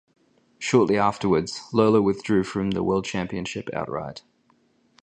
Shortly afterwards, Lola withdrew from the World Championship outright.